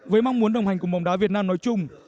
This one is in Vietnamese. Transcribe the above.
với mong muốn đồng hành cùng bóng đá việt nam nói chung